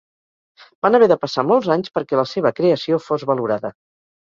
Van haver de passar molts anys perquè la seva creació fos valorada.